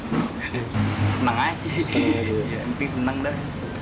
senang aja ya emping senang dah